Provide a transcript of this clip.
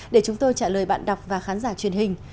để chúng tôi trả lời bạn đọc và khán giả truyền hình